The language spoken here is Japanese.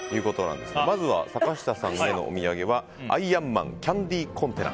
まずは坂下さんへのお土産はアイアンマンキャンディコンテナ。